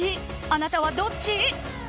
あなたはどっち？